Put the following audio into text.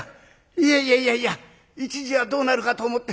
いやいや一時はどうなるかと思って。